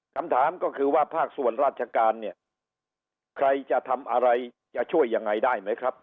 คำถามก็คือว่าภาคส่วนราชการเนี่ยใครจะทำอะไรจะช่วยยังไงได้ไหมครับ